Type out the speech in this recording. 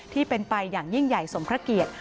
ที่เป็นไปอย่างยิ่งใหญ่สมพระเกียรติ